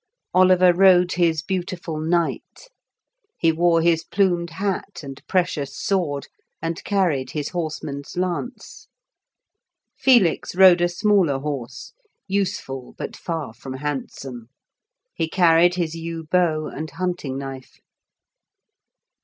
Oliver rode his beautiful Night, he wore his plumed hat and precious sword, and carried his horseman's lance. Felix rode a smaller horse, useful, but far from handsome. He carried his yew bow and hunting knife.